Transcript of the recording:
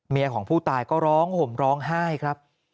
ของผู้ตายก็ร้องห่มร้องไห้ครับ